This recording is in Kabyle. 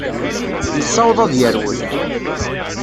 Yessaweḍ ad d-yerwel.